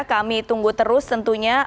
kami tunggu terus tentunya